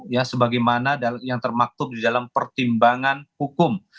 ya sebagaimana yang termaktub di dalam pertimbangan hukum